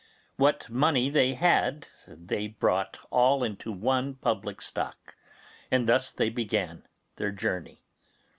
What money they had they brought all into one public stock, and thus they began their journey.